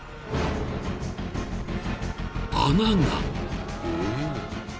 ［穴が！］